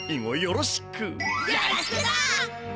よろしくだ！